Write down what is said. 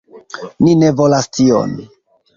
Ni ne volas tion!"